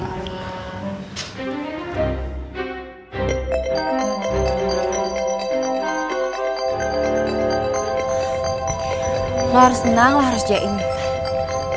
lo harus senang lo harus jadi ini